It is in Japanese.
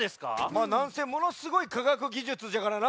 まあなんせものすごいかがくぎじゅつじゃからな。